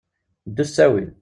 Ddu s ttawil.